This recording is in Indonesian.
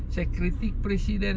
saya kritik presiden